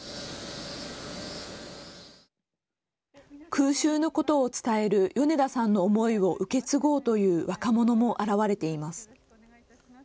空襲のことを伝える米田さんの思いを受け継ごうという若者も現れています。